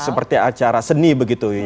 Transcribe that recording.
seperti acara seni begitu ya